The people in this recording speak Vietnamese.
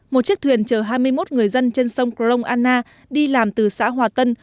một chiếc thuyền chờ hai mươi một người dân trên sông krong anna đi làm từ xã hòa tân